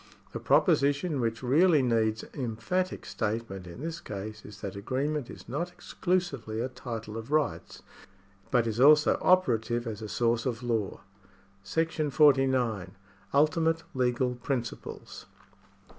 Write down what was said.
The proposition which really needs emphatic state ment in this case is that agreement is not exclusively a title of rights, but is also operative as a source of law. § 40. Ultimate Legfal Principles.